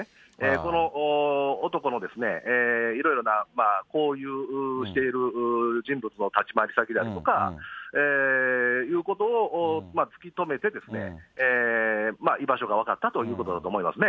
この男のいろいろな、交友している人物の立ち回り先であるとかいうことを突き止めて、居場所が分かったということだと思いますね。